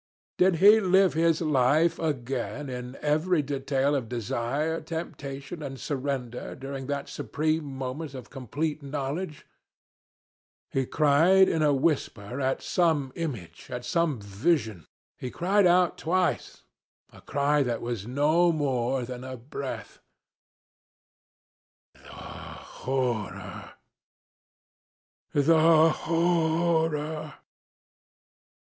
Did he live his life again in every detail of desire, temptation, and surrender during that supreme moment of complete knowledge? He cried in a whisper at some image, at some vision, he cried out twice, a cry that was no more than a breath "'The horror! The horror!'